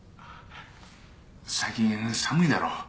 最近寒いだろう？